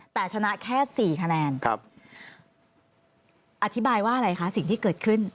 แต่ชนะแค่สี่คะแนนครับอธิบายว่าอะไรคะสิ่งที่เกิดขึ้น